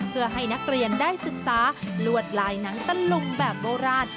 เพื่อให้นักเรียนได้ศึกษาลวดลายหนังตะลุงแบบโบราณ